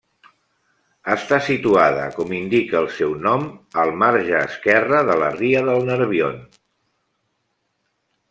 Està situada, com indica el seu nom, al marge esquerre de la ria del Nerbion.